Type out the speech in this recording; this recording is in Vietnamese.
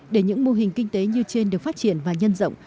để những mô hình kinh tế như trên được phát triển và nhân rộng